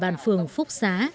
ở bàn phường phúc xá